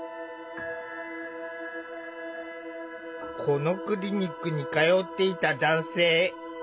このクリニックに通っていた男性。